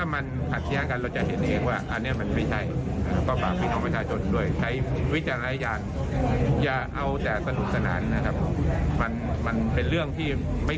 มันเป็นเรื่องที่ไม่ควรจะทำเพื่อกับผู้ที่สนเสียไป